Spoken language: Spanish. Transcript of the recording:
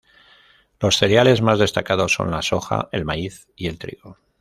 Los cereales más destacados son la soja, el maíz y el trigo.